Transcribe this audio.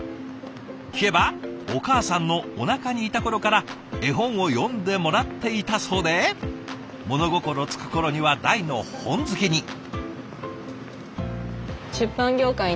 聞けばお母さんのおなかにいた頃から絵本を読んでもらっていたそうで物心つく頃には大の本好きに。